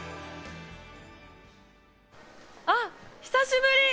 あっ久しぶり！